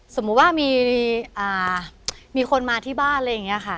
สมมุติว่ามีคนมาที่บ้านอะไรอย่างนี้ค่ะ